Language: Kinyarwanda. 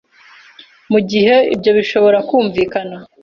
Mu gihe ibyo bishobora kumvikana